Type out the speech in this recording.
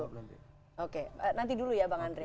oke nanti dulu ya bang andre